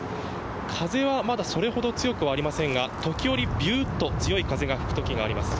風はまだそれほど強くはありませんが、時折ビュッと強い風が吹くときがあります。